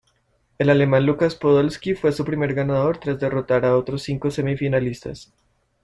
El alemán Lukas Podolski fue su primer ganador tras derrotar a otros cinco semifinalistas.